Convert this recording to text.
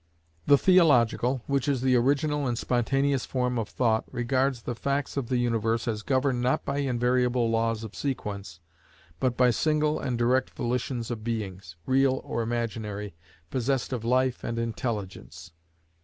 The Theological, which is the original and spontaneous form of thought, regards the facts of the universe as governed not by invariable laws of sequence, but by single and direct volitions of beings, real or imaginary, possessed of life and intelligence.